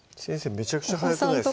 めちゃくちゃ早くないですか？